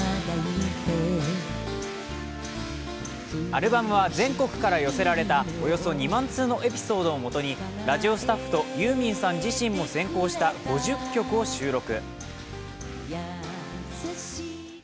アルバムは全国から寄せられたおよそ２万通のエピソードを基にラジオスタッフとユーミンさん自身も選考した５０曲を収録。